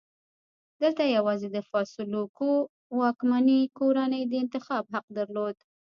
دلته یوازې د فاسولوکو واکمنې کورنۍ د انتخاب حق درلود.